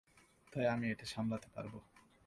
তাই আমি এটা সামলাতে পারবো।